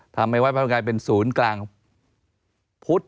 ทำให้วัดพระธรรมกายเป็นศูนย์กลางพุทธ